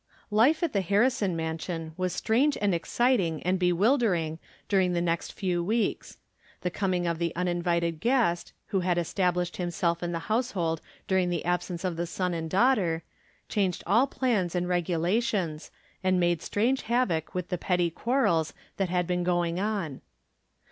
Life at the Harrison mansion was strange and exciting and bewildering during the nest few weeksr The coming of the uninvited guest, who had established himself in the household during the absence of the son and daughter, changed all plans and regulations, and made strange havoc with the petty quarrels that had been going on.